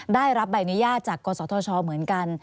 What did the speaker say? ได้รับใบอนุญาตจากกศธชเหมือนกัน